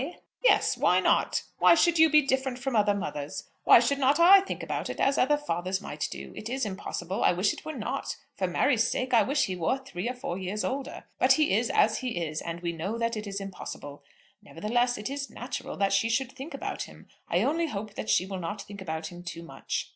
"Yes, why not? Why should you be different from other mothers? Why should I not think about it as other fathers might do? It is impossible. I wish it were not. For Mary's sake, I wish he were three or four years older. But he is as he is, and we know that it is impossible. Nevertheless, it is natural that she should think about him. I only hope that she will not think about him too much."